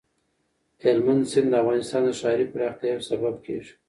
هلمند سیند د افغانستان د ښاري پراختیا یو سبب کېږي.